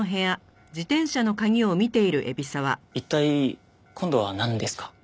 一体今度はなんですか？